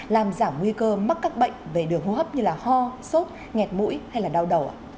làm giảm nguy cơ mắc các bệnh về đường hô hấp như là ho sốt nghẹt mũi hay là đau đầu